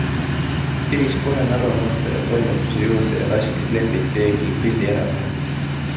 Tiris kohe Narva maanteele toimetuse juurde ja laskis Lembit Peeglil pildi ära teha.